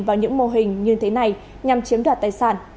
vào những mô hình như thế này nhằm chiếm đoạt tài sản